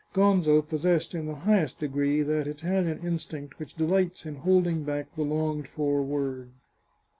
Gonzo possessed, in the highest degree, that Italian instinct which delights in holding back the longed for word.